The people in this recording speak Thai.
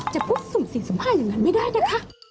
จะพูดสู่สิ่งสัมภาษณ์อย่างนั้นไม่ได้นะคะ